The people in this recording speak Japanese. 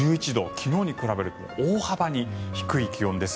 昨日に比べると大幅に低い気温です。